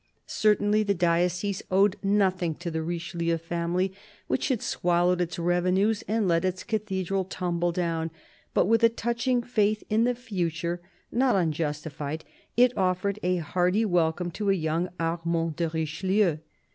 Certainly the diocese owed nothing to the Richelieu family, which had swallowed its revenues and let its cathedral tumble down ; but with a touching faith in the future not unjustified, it offered a hearty welcome to young Armand de Richelieu.